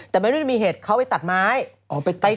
แต่ไม่ได้มีเหตุเขาไปตัดไม้